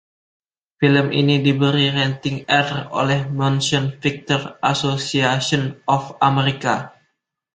Film ini diberi rating "R" oleh Motion Picture Association of America.